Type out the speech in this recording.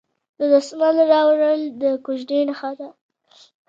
د دسمال راوړل د کوژدې نښه ده.